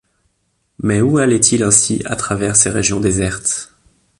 Mais où allait-il ainsi à travers ces régions désertes